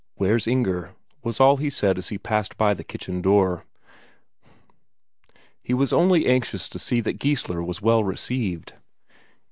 "Where's Inger?" was all he said as he passed by the kitchen door. He was only anxious to see that Geissler was well received.